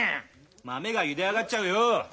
豆がゆで上がっちゃうよ。